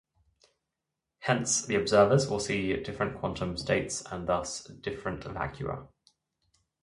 Hence, the observers will see different quantum states and thus different vacua.